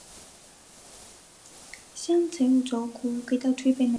赛季结束后贝尔垂成为自由球员。